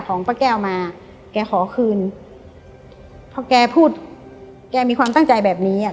ของป้าแก้วมาแกขอคืนพอแกพูดแกมีความตั้งใจแบบนี้อ่ะ